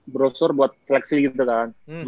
brosur buat seleksi gitu kan